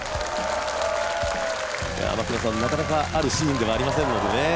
なかなかあるシーンではありませんのでね。